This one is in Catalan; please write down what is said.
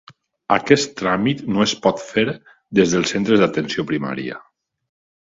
Aquest tràmit no es pot fer des dels centres d'atenció primària.